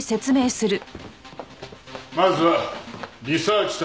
まずはリサーチ隊。